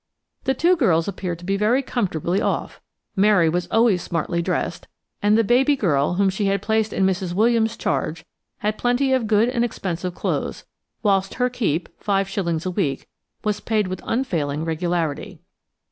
The two girls appeared to be very comfortably off. Mary was always smartly dressed; and the baby girl, whom she had placed in Mrs. Williams's charge, had plenty of good and expensive clothes, whilst her keep, 5s. a week, was paid with unfailing regularity.